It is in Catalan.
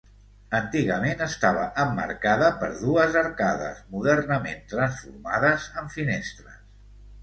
Antigament estava emmarcada per dues arcades, modernament transformades en finestres.